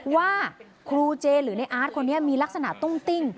ว่าครูเจหรือในอาร์ตคนนี้มีลักษณะตุ้งติ้ง